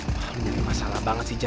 wah lu nyari masalah banget sih jad